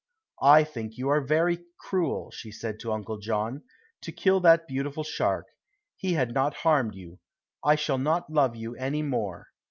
"I think you are very cruel," she said to Uncle John, "to kill that beautiful shark. He had not harmed you. I shall not love you any more."